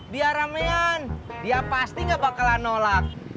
biar ramean dia pasti gak bakalan nolak